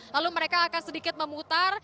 lalu mereka akan sedikit memutar